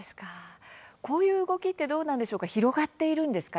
こういう動きはどうなんでしょうか広がっているんですか？